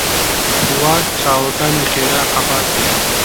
فواد چاوەکانی خێرا قەپات کرد.